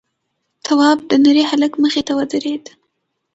تواب د نري هلک مخې ته ودرېد: